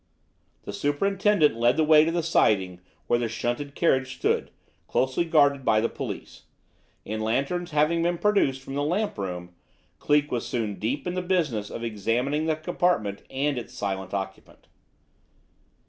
The superintendent led the way to the siding where the shunted carriage stood, closely guarded by the police; and, lanterns having been procured from the lamp room, Cleek was soon deep in the business of examining the compartment and its silent occupant.